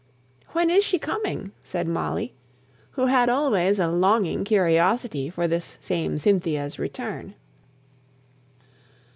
"When is she coming?" said Molly, who had always a longing curiosity for this same Cynthia's return.